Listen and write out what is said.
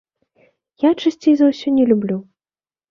Я, часцей за ўсё, не люблю.